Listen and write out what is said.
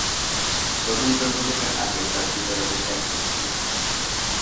প্রথম জন্মদিনের আগে তার পিতা তাদের ত্যাগ করেছিলেন।